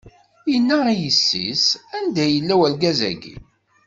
Inna i yessi-s: Anda yella urgaz-agi?